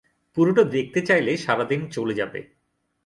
পুরোটা ঘুরে দেখতে চাইলে সারাদিন চলে যাবে।